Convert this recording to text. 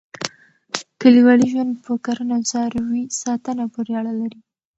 کلیوالي ژوند په کرنه او څاروي ساتنه پورې اړه لري.